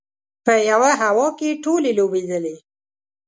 په یوه هوا کې ټولې لوبېدلې.